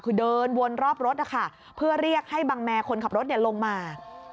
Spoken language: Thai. คือเดินวนรอบรถนะคะเพื่อเรียกให้บังแมร์คนขับรถลงมา